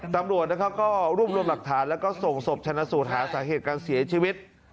ตำรวจนะครับก็รวบรวมหลักฐานแล้วก็ส่งศพชนะสูตรหาสาเหตุการเสียชีวิต